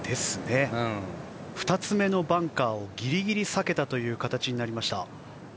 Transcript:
２つ目のバンカーをギリギリ避けた形になりました。